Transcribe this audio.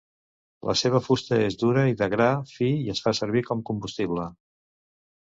La seva fusta és dura i de gra fi es fa servir com combustible.